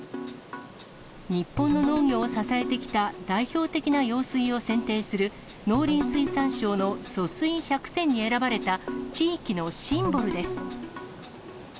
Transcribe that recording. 日本の農業を支えてきた代表的な用水を選定する農林水産省の疏水百選に選ばれた、地域のシンボルです。